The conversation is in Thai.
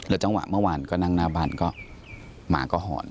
จังหวะเมื่อวานก็นั่งหน้าบ้านก็หมาก็หอน